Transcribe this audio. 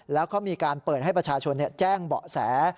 แล้วก็มีการเปิดให้ประชาชนแจ้งเบาะแส